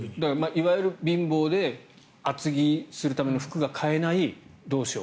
いわゆる貧乏で厚着をするための服が買えないどうしよう